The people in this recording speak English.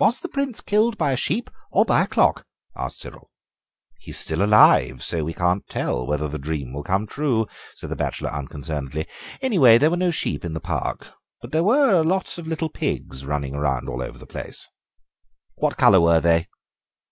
"Was the Prince killed by a sheep or by a clock?" asked Cyril. "He is still alive, so we can't tell whether the dream will come true," said the bachelor unconcernedly; "anyway, there were no sheep in the park, but there were lots of little pigs running all over the place." "What colour were they?"